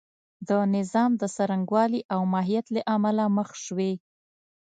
د نظام د څرنګوالي او ماهیت له امله مخ شوې.